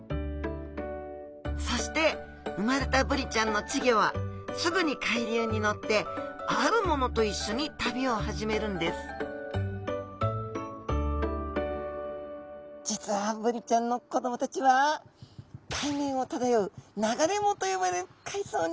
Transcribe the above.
そして生まれたブリちゃんの稚魚はすぐに海流に乗ってあるものと一緒に旅を始めるんです実はブリちゃんの子どもたちは海面を漂う流れ藻と呼ばれる海藻に乗っかって。